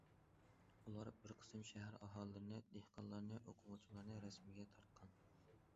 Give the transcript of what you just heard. ئۇلار بىر قىسىم شەھەر ئاھالىلىرىنى، دېھقانلارنى، ئوقۇغۇچىلارنى رەسىمگە تارتقان.